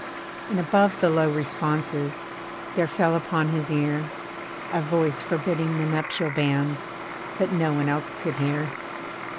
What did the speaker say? And above the low responses There fell upon his ear A voice forbidding the nuptial banns; But no one else could hear.